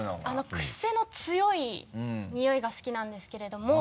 クセの強いニオイが好きなんですけれども。